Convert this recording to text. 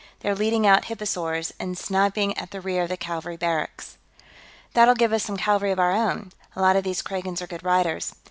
They're leading out hipposaurs, and sniping at the rear of the cavalry barracks." "That'll give us some cavalry of our own; a lot of these Kragans are good riders....